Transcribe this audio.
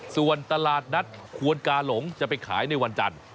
ส่วนตลาดนัดควนกาหลงจะไปขายในวันจันทร์